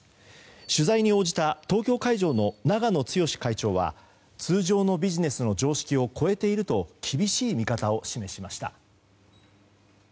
取材に応じた東京海上の永野毅会長は、通常のビジネスの常識を超えていると厳しい見方を示しました。